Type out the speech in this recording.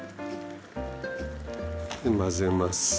で混ぜます。